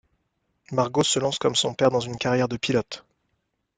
Margot se lance comme son père dans une carrière de pilote.